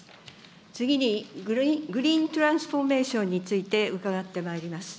次に、グリーントランスフォーメーションについて伺ってまいります。